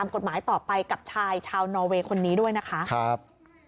กับชายชาวนอเวย์คนนี้ด้วยนะคะครับ